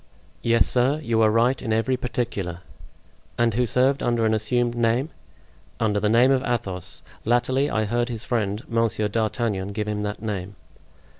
"Yes, sir, you are right in every particular!" "And who served under an assumed name?" "Under the name of Athos. Latterly I heard his friend, Monsieur d'Artagnan, give him that name."